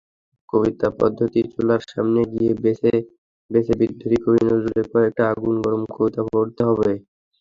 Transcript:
কবিতাপদ্ধতিচুলার সামনে গিয়ে বেছে বেছে বিদ্রোহী কবি নজরুলের কয়েকটা আগুন-গরম কবিতা পড়তে হবে।